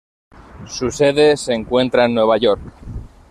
Su sede se encuentra en Nueva York.